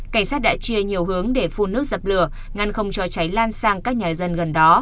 cảnh sát đã chia nhiều hướng để phun nước dập lửa ngăn không cho cháy lan sang các nhà dân gần đó